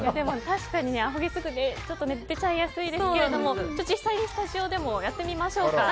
確かにアホ毛出ちゃいやすいですけど実際にスタジオでもやってみましょう。